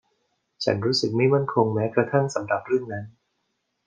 ฉันรู้สึกไม่มั่นคงแม้กระทั่งสำหรับเรื่องนั้น